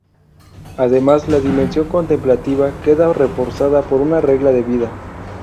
Además, la dimensión contemplativa queda reforzada por una regla de vida.